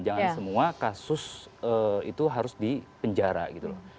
jangan semua kasus itu harus di penjara gitu loh